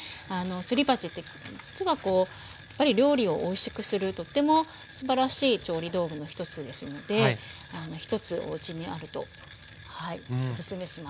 すり鉢って実はこうやっぱり料理をおいしくするとってもすばらしい調理道具の一つですので一つおうちにあるとはいおすすめします。